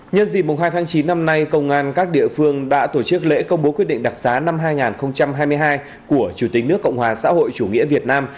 nhân dịp hai tháng chín năm nay công an các địa phương đã tổ chức lễ công bố quyết định đặc xá năm hai nghìn hai mươi hai của chủ tịch nước cộng hòa xã hội chủ nghĩa việt nam